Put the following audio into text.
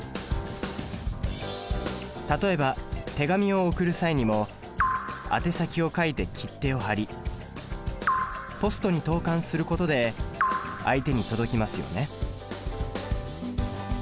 例えば手紙を送る際にもあて先を書いて切手を貼りポストに投函することで相手に届きますよね。